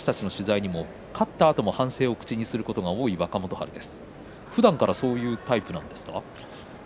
勝ったあとも反省を口にすることが多い若元春です。